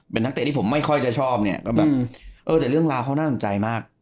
เป็นนักเตะที่ผมไม่ค่อยจะชอบเนี่ยก็แบบเออแต่เรื่องราวเขาน่าสนใจมาก